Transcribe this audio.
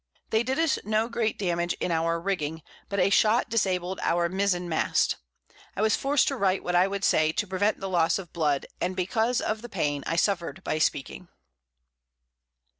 They did us no great Damage in our Rigging, but a shot disabled our Mizen Mast. I was forced to write what I would say, to prevent the Loss of Blood, and because of the Pain I suffer'd by speaking.